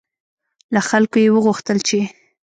له خلکو یې وغوښتل چې